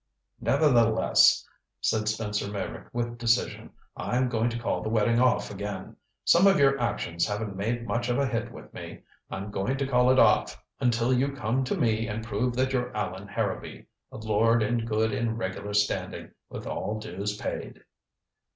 "Nevertheless," said Spencer Meyrick with decision, "I'm going to call the wedding off again. Some of your actions haven't made much of a hit with me. I'm going to call it off until you come to me and prove that you're Allan Harrowby a lord in good and regular standing, with all dues paid."